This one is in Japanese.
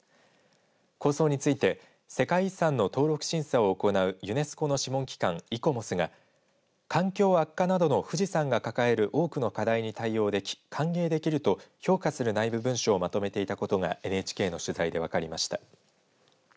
構想について世界遺産の登録審査を行うユネスコの諮問機関イコモスが環境悪化などの富士山が抱える多くの課題に対応でき歓迎できると評価する内部文書をまとめていたことがＮＨＫの取材で分かりました。